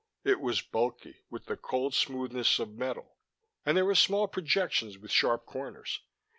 It was bulky, with the cold smoothness of metal, and there were small projections with sharp corners.